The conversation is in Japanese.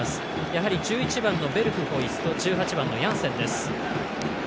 やはり１１番のベルフホイスと１８番のヤンセンです。